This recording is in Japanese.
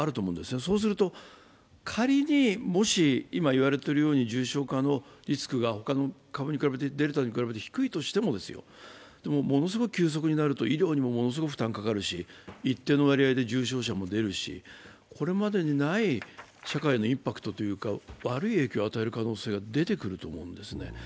そうすると仮にもし今言われているように重症化のリスクが他の株に比べて、デルタに比べて低いとしてもものすごい急速になると、医療にもものすごい負担もかかるし一定の割合で重症者も出るし、これまでにない社会のインパクトというか、悪い影響を与える可能性が出てくると思うんですね。